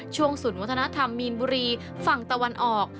ศูนย์วัฒนธรรมมีนบุรีฝั่งตะวันออก